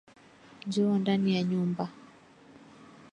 Njoo ndani ya nyumba.